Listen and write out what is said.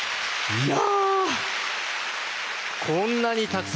いや。